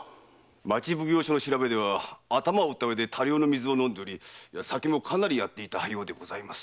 町奉行所の調べでは頭を打ったうえ多量の水を飲み酒もかなりやっていたようでございます。